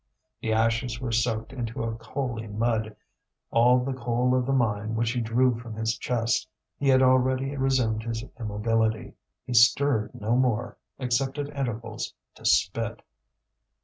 The ashes were soaked into a coaly mud, all the coal of the mine which he drew from his chest. He had already resumed his immobility. He stirred no more, except at intervals, to spit.